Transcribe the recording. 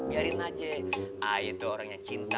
biarin aja aye tuh orang yang cinta